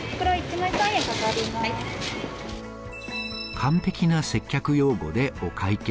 完璧な接客用語でお会計。